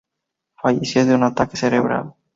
Falleció de un ataque cerebral.